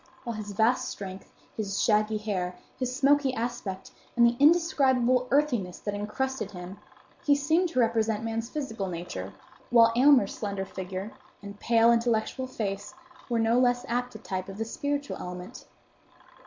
With his vast strength, his shaggy hair, his smoky aspect, and the indescribable earthiness that incrusted him, he seemed to represent man's physical nature; while Aylmer's slender figure, and pale, intellectual face, were no less apt a type of the spiritual element.